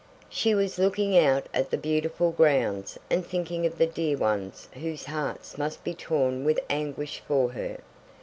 She was looking out at the beautiful grounds and thinking of the dear ones whose hearts must be torn with anguish for her.